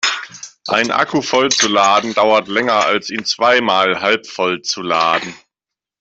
Einen Akku voll zu laden dauert länger als ihn zweimal halbvoll zu laden.